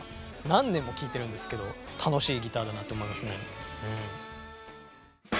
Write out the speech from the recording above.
何年も聴いてるんですけど楽しいギターだなと思いますね。